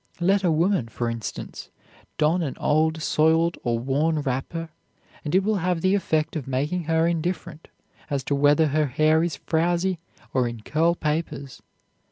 Let a woman, for instance, don an old soiled or worn wrapper, and it will have the effect of making her indifferent as to whether her hair is frowsy or in curl papers.